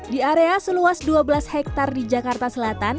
di area seluas dua belas hektare di jakarta selatan